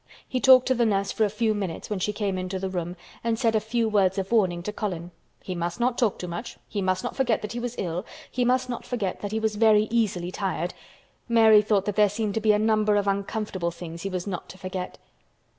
He talked to the nurse for a few minutes when she came into the room and said a few words of warning to Colin. He must not talk too much; he must not forget that he was ill; he must not forget that he was very easily tired. Mary thought that there seemed to be a number of uncomfortable things he was not to forget.